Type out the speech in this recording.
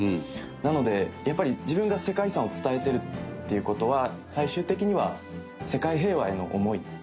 なのでやっぱり自分が世界遺産を伝えてるっていう事は最終的には世界平和への思いなんですよ。